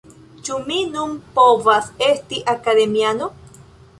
Ĉu mi nun povas esti Akademiano?